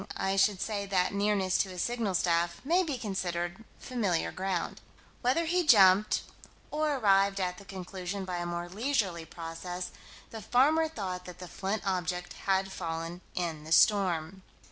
I should say that nearness to a signal staff may be considered familiar ground. Whether he jumped, or arrived at the conclusion by a more leisurely process, the farmer thought that the flint object had fallen in the storm.